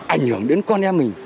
ảnh hưởng đến con em mình